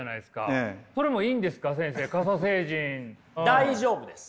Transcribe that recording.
大丈夫です。